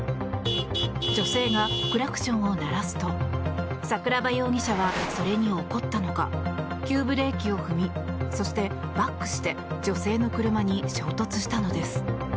女性がクラクションを鳴らすと桜庭容疑者はそれに怒ったのか急ブレーキを踏みそしてバックして女性の車に衝突したのです。